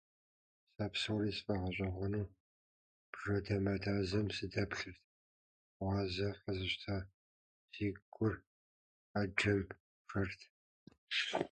Сэ псори сфӀэгъэщӀэгъуэну бжэ дамэдазэм сыдэплъырт, гузавэ къэзыщта си гур Ӏэджэм жэрт.